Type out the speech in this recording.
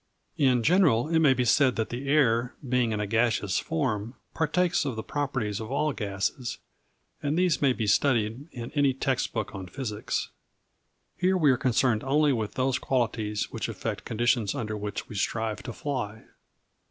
In general, it may be said that the air, being in a gaseous form, partakes of the properties of all gases and these may be studied in any text book on physics, Here we are concerned only with those qualities which affect conditions under which we strive to fly.